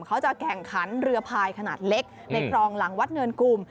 เขาจะแข่งขันเรือพายขนาดเล็กในคลองหลังวัดเนินกลุ่ม